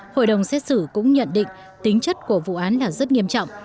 hội đồng xét xử cũng nhận định tính chất của vụ án là rất nghiêm trọng